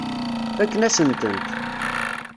Fakken-asen-tent.